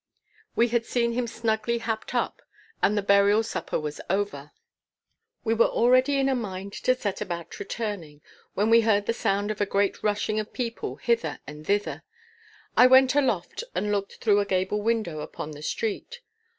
We had seen him snugly happed up, and the burial supper was over. We were already in a mind to set about returning, when we heard the sound of a great rushing of people hither and thither. I went aloft and looked through a gable window upon the street.